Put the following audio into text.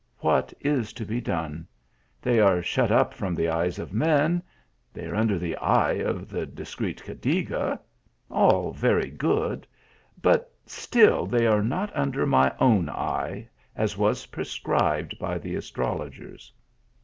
What is to be done ? They are shut up from the eyes of men, they are under the eye of the discreet Cadiga all very good but still they are not under my own eye, as was prescribed by the astrologers.